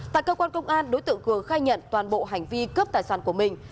tại cơ quan công an đối tượng cường khai nhận toàn bộ hành vi cướp tài sản của mình